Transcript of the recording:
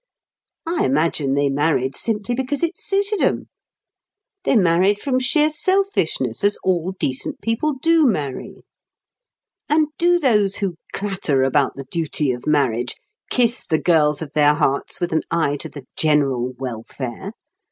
I imagine they married simply because it suited 'em. They married from sheer selfishness, as all decent people do marry. And do those who clatter about the duty of marriage kiss the girls of their hearts with an eye to the general welfare?